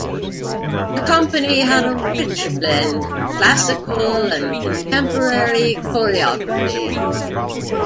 The company had a rich blend of classical and contemporary choreography.